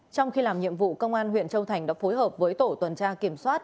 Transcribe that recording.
trong khi làm nhiệm vụ công an huyện châu thành đã phối hợp với tổ tuần tra kiểm soát